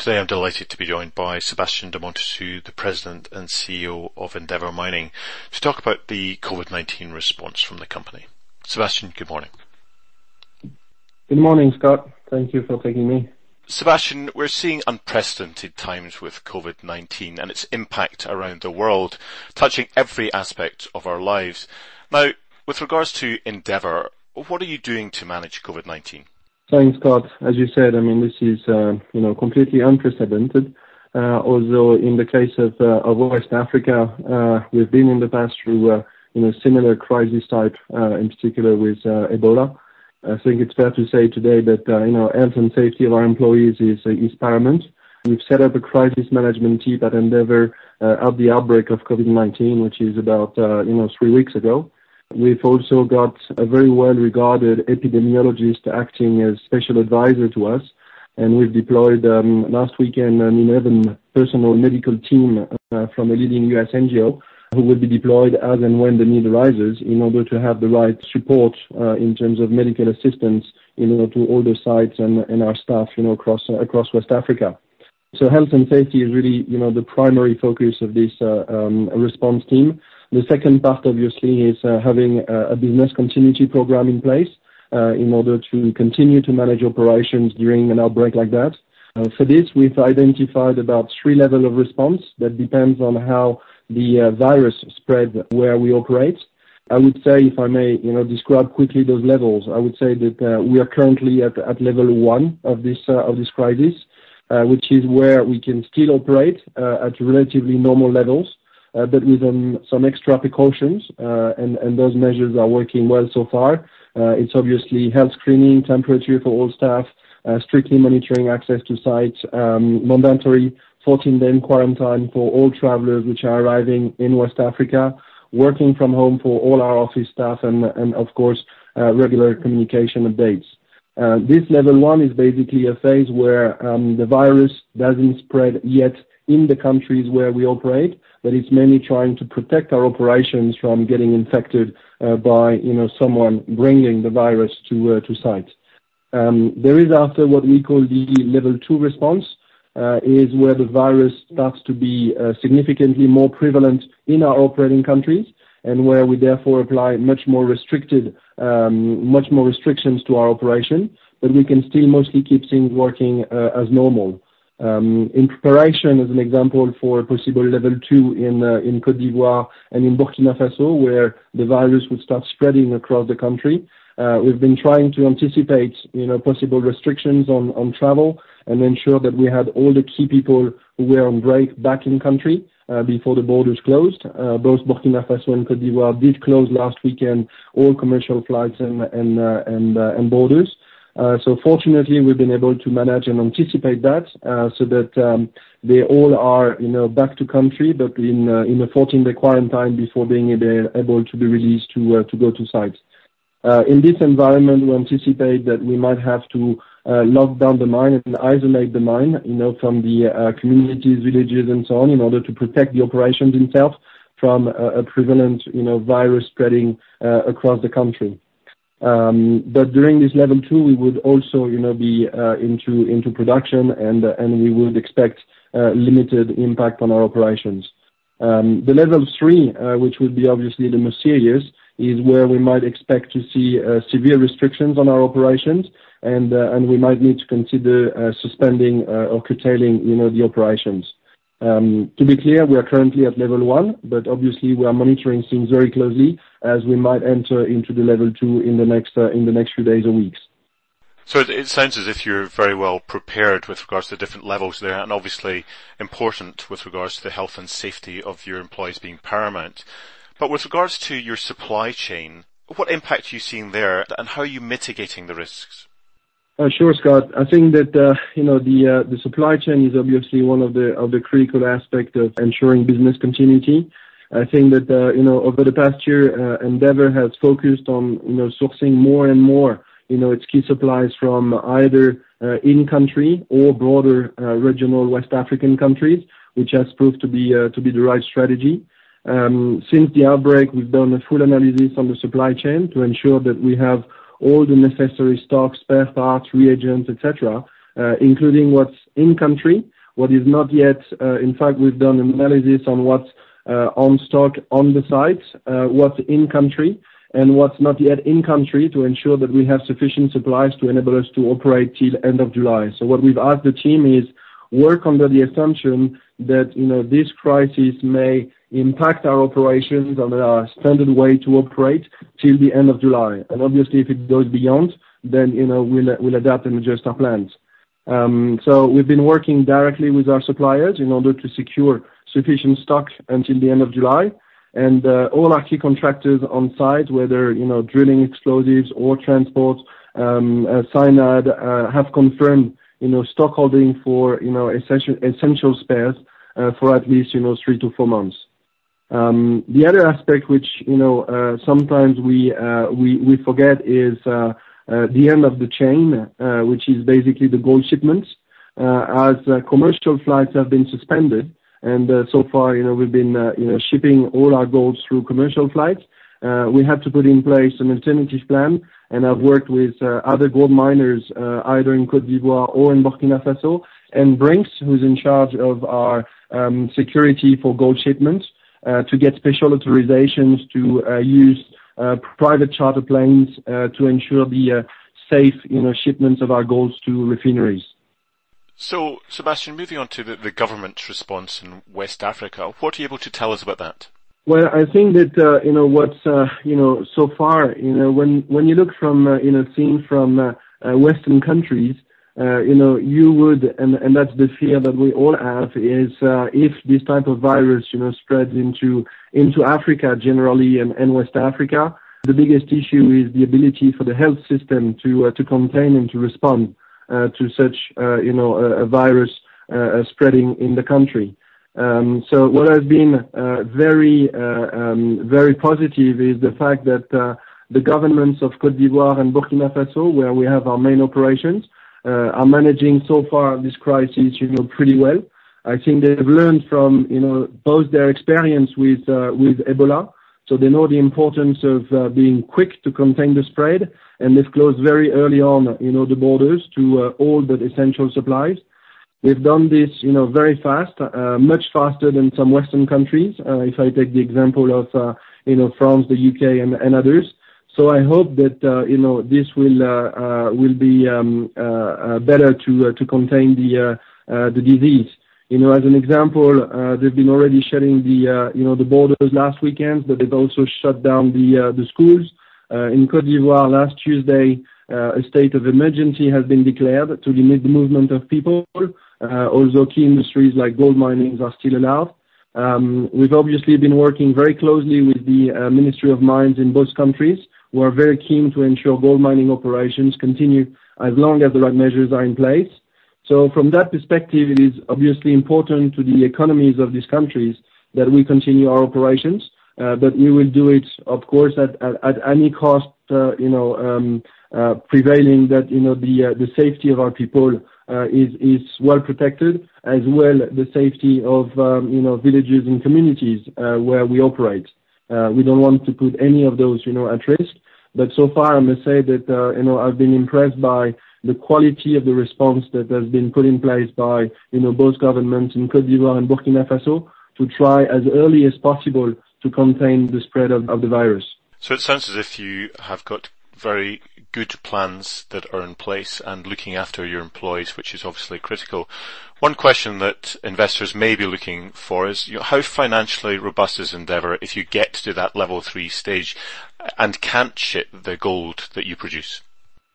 ...Today, I'm delighted to be joined by Sébastien de Montessus, the President and CEO of Endeavour Mining, to talk about the COVID-19 response from the company. Sébastien, good morning. Good morning, Scott. Thank you for taking me. Sébastien, we're seeing unprecedented times with COVID-19 and its impact around the world, touching every aspect of our lives. Now, with regards to Endeavour, what are you doing to manage COVID-19? Thanks, Scott. As you said, I mean, this is, you know, completely unprecedented. Although in the case of, of West Africa, we've been in the past through a, you know, similar crisis type, in particular with, Ebola. I think it's fair to say today that, you know, health and safety of our employees is, is paramount. We've set up a crisis management team at Endeavour, at the outbreak of COVID-19, which is about, you know, three weeks ago. We've also got a very well-regarded epidemiologist acting as special advisor to us, and we've deployed last weekend an eleven-person medical team from a leading U.S. NGO, who will be deployed as and when the need arises, in order to have the right support in terms of medical assistance, you know, to all the sites and our staff, you know, across West Africa. So health and safety is really, you know, the primary focus of this response team. The second part, obviously, is having a business continuity program in place in order to continue to manage operations during an outbreak like that. For this, we've identified about three level of response that depends on how the virus spreads where we operate. I would say, if I may, you know, describe quickly those levels. I would say that we are currently at level one of this crisis, which is where we can still operate at relatively normal levels, but with some extra precautions, and those measures are working well so far. It's obviously health screening, temperature for all staff, strictly monitoring access to sites, mandatory fourteen-day quarantine for all travelers which are arriving in West Africa, working from home for all our office staff, and of course, regular communication updates. This level one is basically a phase where the virus doesn't spread yet in the countries where we operate, but it's mainly trying to protect our operations from getting infected by, you know, someone bringing the virus to site. There is also what we call the level two response is where the virus starts to be significantly more prevalent in our operating countries, and where we therefore apply much more restricted, much more restrictions to our operation, but we can still mostly keep things working as normal. In preparation, as an example, for a possible level two in Côte d'Ivoire and in Burkina Faso, where the virus would start spreading across the country, we've been trying to anticipate, you know, possible restrictions on travel, and ensure that we had all the key people who were on break back in country before the borders closed. Both Burkina Faso and Côte d'Ivoire did close last weekend all commercial flights and borders. So fortunately, we've been able to manage and anticipate that, so that they all are, you know, back to country, but in a fourteen-day quarantine before being able to be released to go to sites. In this environment, we anticipate that we might have to lock down the mine and isolate the mine, you know, from the communities, villages, and so on, in order to protect the operations themselves from a prevalent, you know, virus spreading across the country. But during this level two, we would also, you know, be into production, and we would expect limited impact on our operations. The level three, which would be obviously the most serious, is where we might expect to see severe restrictions on our operations, and we might need to consider suspending or curtailing, you know, the operations. To be clear, we are currently at level one, but obviously we are monitoring things very closely, as we might enter into the level two in the next few days or weeks. So it sounds as if you're very well-prepared with regards to the different levels there, and obviously, important with regards to the health and safety of your employees being paramount. But with regards to your supply chain, what impact are you seeing there, and how are you mitigating the risks? Sure, Scott. I think that, you know, the supply chain is obviously one of the critical aspect of ensuring business continuity. I think that, you know, over the past year, Endeavour has focused on, you know, sourcing more and more, you know, its key supplies from either in country or broader regional West African countries, which has proved to be the right strategy. Since the outbreak, we've done a full analysis on the supply chain to ensure that we have all the necessary stocks, spare parts, reagents, et cetera, including what's in country, what is not yet... In fact, we've done analysis on what's on stock on the sites, what's in country, and what's not yet in country, to ensure that we have sufficient supplies to enable us to operate till end of July. So what we've asked the team is, work under the assumption that, you know, this crisis may impact our operations and our standard way to operate till the end of July. And obviously, if it goes beyond, then, you know, we'll adapt and adjust our plans. So we've been working directly with our suppliers in order to secure sufficient stock until the end of July. And all our key contractors on site, whether, you know, drilling, explosives or transport, cyanide, have confirmed, you know, stockholding for, you know, essential spares for at least, you know, 3-4 months. The other aspect which, you know, sometimes we forget, is the end of the chain, which is basically the gold shipments. As commercial flights have been suspended, and so far, you know, we've been shipping all our gold through commercial flights. We have to put in place an alternative plan, and I've worked with other gold miners, either in Côte d'Ivoire or in Burkina Faso, and Brink’s, who's in charge of our security for gold shipments, to get special authorizations to use private charter planes to ensure the safe, you know, shipments of our gold to refineries. So Sébastien, moving on to the government's response in West Africa, what are you able to tell us about that? I think that, you know, what's so far, you know, when you look from, you know, seeing from Western countries, you know, and that's the fear that we all have, is if this type of virus, you know, spreads into Africa generally, and West Africa, the biggest issue is the ability for the health system to contain and to respond to such, you know, a virus spreading in the country, so what has been very, very positive is the fact that the governments of Côte d'Ivoire and Burkina Faso, where we have our main operations, are managing so far this crisis, you know, pretty well. I think they have learned from, you know, both their experience with Ebola, so they know the importance of being quick to contain the spread, and they've closed very early on, you know, the borders to all but essential supplies. They've done this, you know, very fast, much faster than some Western countries, if I take the example of you know, France, the UK, and others. So I hope that you know, this will be better to contain the disease. You know, as an example, they've been already shutting the you know, the borders last weekend, but they've also shut down the schools. In Côte d'Ivoire last Tuesday, a state of emergency has been declared to limit the movement of people, although key industries like gold mining are still allowed. We've obviously been working very closely with the Ministry of Mines in both countries, who are very keen to ensure gold mining operations continue as long as the right measures are in place. So from that perspective, it is obviously important to the economies of these countries that we continue our operations, but we will do it, of course, not at any cost, you know, provided that, you know, the safety of our people is well protected, as well, the safety of, you know, villages and communities where we operate. We don't want to put any of those, you know, at risk. But so far, I must say that, you know, I've been impressed by the quality of the response that has been put in place by, you know, both governments in Côte d'Ivoire and Burkina Faso, to try as early as possible to contain the spread of the virus. So it sounds as if you have got very good plans that are in place and looking after your employees, which is obviously critical. One question that investors may be looking for is, how financially robust is Endeavour if you get to that level three stage and can't ship the gold that you produce?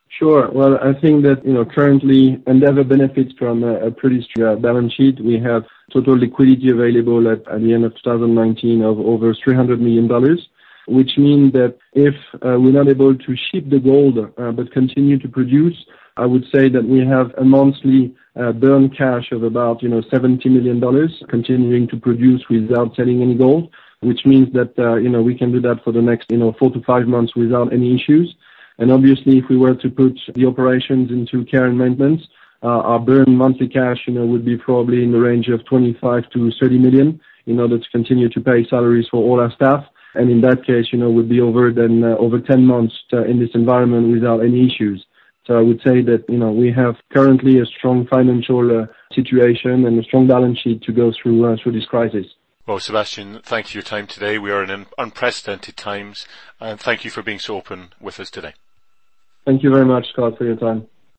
Sure. Well, I think that, you know, currently, Endeavour benefits from a pretty strong balance sheet. We have total liquidity available at the end of two thousand and nineteen of over $300 million, which mean that if we're not able to ship the gold, but continue to produce, I would say that we have a monthly burn cash of about, you know, $70 million continuing to produce without selling any gold. Which means that, you know, we can do that for the next, you know, four to five months without any issues. And obviously, if we were to put the operations into care and maintenance, our burn monthly cash, you know, would be probably in the range of $25-$30 million, in order to continue to pay salaries for all our staff. And in that case, you know, would be over 10 months in this environment without any issues. So I would say that, you know, we have currently a strong financial situation and a strong balance sheet to go through this crisis. Sébastien, thank you for your time today. We are in unprecedented times, and thank you for being so open with us today. Thank you very much, Scott, for your time.